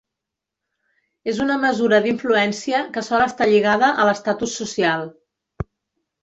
És una mesura d'influència, que sol estar lligada a l'estatus social.